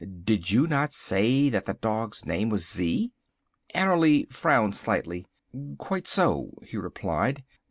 "Did you not say that the dog's name was Z?" Annerly frowned slightly. "Quite so," he replied.